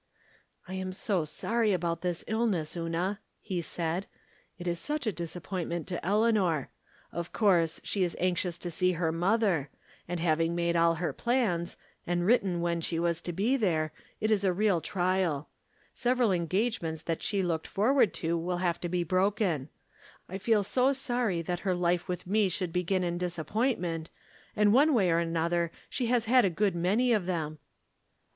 "I am so sorry about this illness, Una," he said. " It is such a disappointment to El eanor. Of course she is anxious to see her mother ; and having made all her plans, and written when she was to be there, it is a real trial. Several engagements that she looked* forward to From Different Standpoints. 115 will have to be broken. I feel so sorry that her life with me should begin in disappointment, and one way or another she has a good many of them."